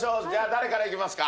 誰からいきますか？